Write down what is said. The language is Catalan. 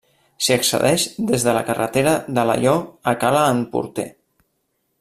S'hi accedeix des de la carretera d'Alaior a Cala en Porter.